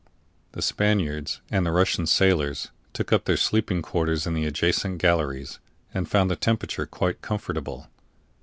The Spaniards and the Russian sailors took up their sleeping quarters in the adjacent galleries, and found the temperature quite comfortable.